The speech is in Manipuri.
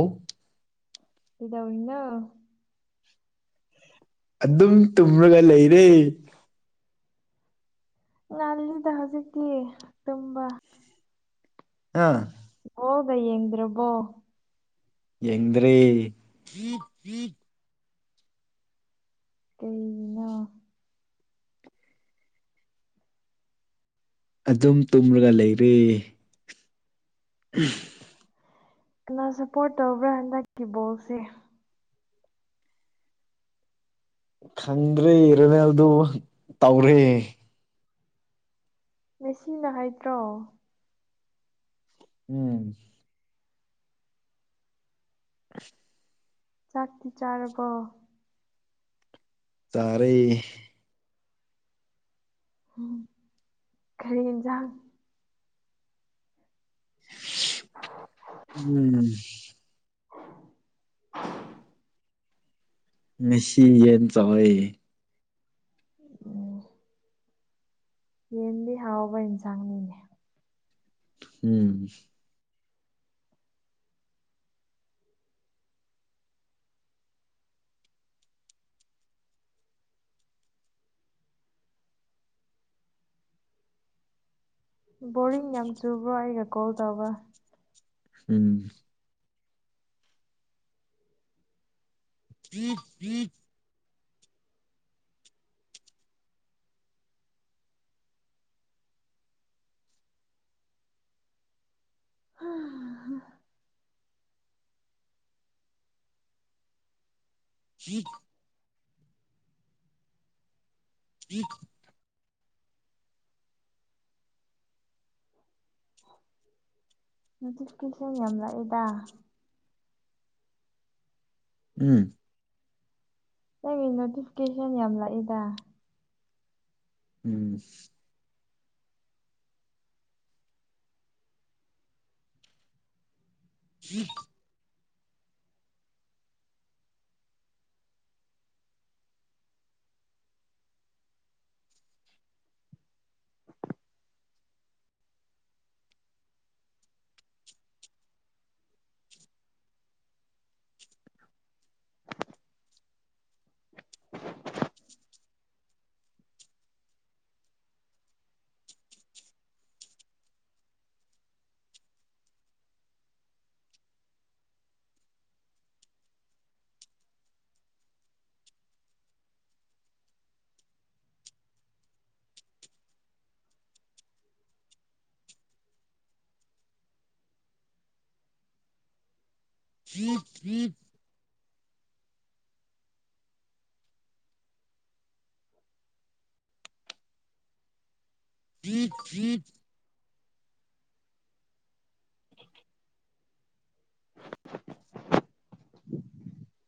ꯎꯞ ꯀꯩꯗꯧꯔꯤꯅꯣ ꯑꯗꯨꯝ ꯇꯨꯝꯔꯒ ꯂꯩꯔꯦ ꯉꯟꯂꯤꯗ ꯍꯧꯖꯤꯛꯇꯤ ꯇꯨꯝꯕꯥ ꯑꯥ ꯕꯣꯜꯒ ꯌꯦꯡꯗꯨ꯭ꯔꯕꯣ ꯌꯦꯡꯗꯔꯦ ꯀꯩꯒꯤꯅꯣ ꯑꯗꯨꯝ ꯇꯨꯝꯂꯒ ꯂꯩꯔꯦ ꯎꯝ ꯀꯅꯥ ꯁꯞꯄꯣꯔꯠ ꯇꯧꯕ꯭ꯔꯥ ꯍꯟꯗꯛꯀꯤ ꯕꯣꯜꯁꯦ ꯈꯪꯗ꯭ꯔꯦ ꯔꯣꯅꯥꯜꯗꯣ ꯇꯧꯔꯦ ꯃꯦꯁꯤꯅ ꯍꯩꯗ꯭ꯔꯣ ꯎꯝ [inaudible] ꯆꯥꯛꯇꯤ ꯆꯥꯔꯕꯣ ꯆꯥꯔꯦ ꯎꯝ ꯀꯔꯤ ꯏꯟꯖꯥꯡ ꯎꯝ ꯑ [inaudible] ꯉꯁꯤ ꯌꯦꯟ ꯆꯥꯏꯌꯦ ꯑꯣ ꯌꯦꯟꯗꯤ ꯍꯥꯎꯕ ꯏꯟꯁꯥꯡꯅꯤꯅꯦ ꯎꯝ ꯕꯣꯔꯤꯡ ꯌꯥꯝ ꯆꯨꯕ꯭ꯔꯣ ꯑꯩꯅ ꯀꯣꯜ ꯇꯧꯕ ꯎꯝ [inaudible] ꯍꯥ [inaudible] [inaudible] ꯅꯣꯇꯤꯐꯤꯀꯦꯁꯟ ꯌꯥꯝ ꯂꯥꯛꯑꯦꯗ ꯎꯝ ꯅꯪꯒꯤ ꯅꯣꯇꯤꯐꯤꯀꯦꯁꯟ ꯌꯥꯝ ꯂꯥꯛꯑꯦꯗ ꯑꯁ [inaudible] [inaudible] [inaudible] [inaudible]